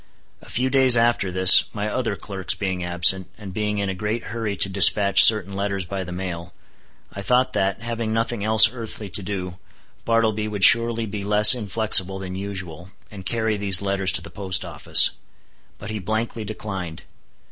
A few days after this, my other clerks being absent, and being in a great hurry to dispatch certain letters by the mail, I thought that, having nothing else earthly to do, Bartleby would surely be less inflexible than usual, and carry these letters to the post office. But he blankly declined.